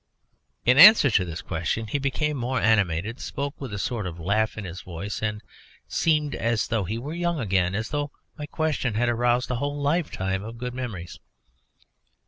In answer to this question he became more animated, spoke with a sort of laugh in his voice, and seemed as though he were young again and as though my question had aroused a whole lifetime of good memories.